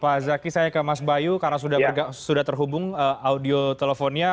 pak zaky saya ke mas bayu karena sudah terhubung audio teleponnya